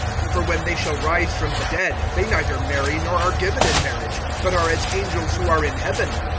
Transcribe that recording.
(25)For when they shall rise from the dead, they neither marry, nor are given in marriage; but are as angels who are in heaven.